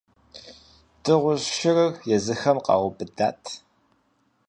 Дыгъужь шырыр езыхэм къаубыдат.